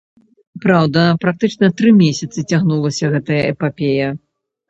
Праўда, практычна тры месяцы цягнулася гэтая эпапея.